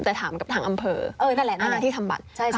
แต่ถามกับทางอำเภอที่ทำบัตร